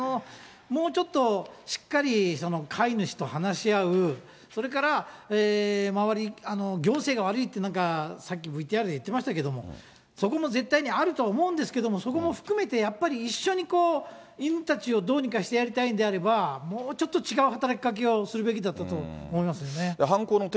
もうちょっとしっかり飼い主と話し合う、それから周り、行政が悪いって、なんかさっきＶＴＲで言ってましたけど、そこも絶対にあると思うんですけれども、そこも含めて、やっぱり一緒に犬たちをどうにかしてやりたいんであれば、もうちょっと違う働きかけをするべきだったと思いますよね。